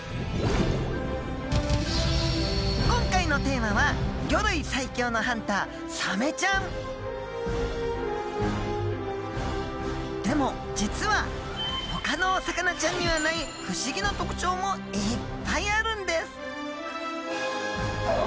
今回のテーマは魚類最強のハンターサメちゃんでも実はほかのお魚ちゃんにはない不思議な特徴もいっぱいあるんです！